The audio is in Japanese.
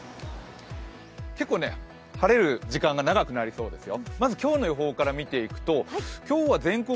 結構、晴れる時間が長くなりそうですよ。